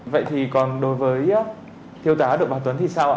vậy thì còn đối với thiếu tá đội bảo tuấn thì sao ạ